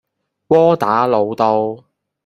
窩打老道